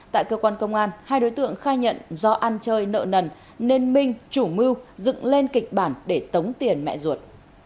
tại cơ quan công an hai đối tượng khai nhận do ăn chơi nợ nần nên minh chủ mưu dựng lên kịch bản để tống tiền mẹ ruột